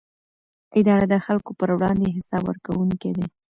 اداره د خلکو پر وړاندې حساب ورکوونکې ده.